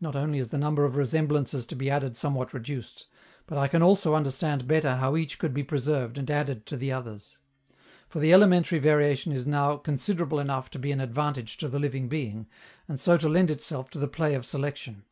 Not only is the number of resemblances to be added somewhat reduced, but I can also understand better how each could be preserved and added to the others; for the elementary variation is now considerable enough to be an advantage to the living being, and so to lend itself to the play of selection.